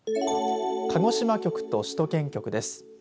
鹿児島局と首都圏局です。